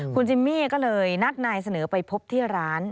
คุณจิมมี่ก็เลยนัดนายเสนอไปพบที่ร้าน